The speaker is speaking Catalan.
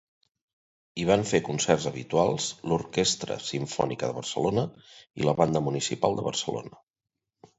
Hi van fer concerts habituals l'Orquestra Simfònica de Barcelona i la Banda Municipal de Barcelona.